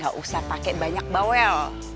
gak usah pakai banyak bawel